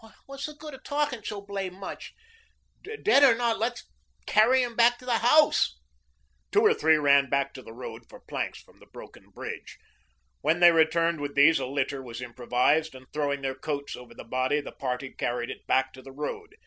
"What's the good of talking so blame much. Dead or not, let's carry him back to the house." Two or three ran back to the road for planks from the broken bridge. When they returned with these a litter was improvised, and throwing their coats over the body, the party carried it back to the road.